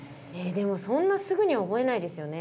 でもそんなすぐには覚えないですよね。